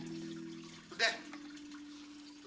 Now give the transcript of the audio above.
gue gak percaya